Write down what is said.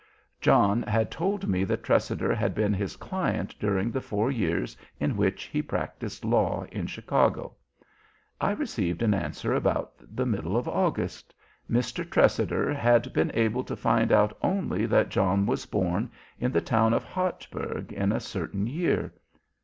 John had told me that Tressider had been his client during the four years in which he practiced law in Chicago. I received an answer about the middle of August. Mr. Tressider had been able to find out only that John was born in the town of Hartberg in a certain year.